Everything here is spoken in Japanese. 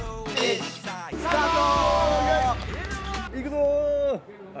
スタート！